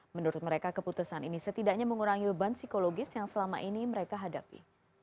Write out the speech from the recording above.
menurut mereka keputusan ini setidaknya mengurangi beban psikologis yang selama ini mereka hadapi